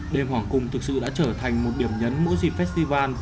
đêm hoàng cung thực sự đã trở thành một điểm nhấn mỗi dịp festival